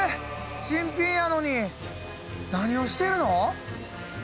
新品やのに何をしてるの！？